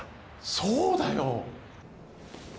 そうだよ！